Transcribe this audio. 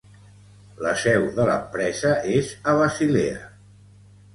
La seu de l'empresa és a Basilea.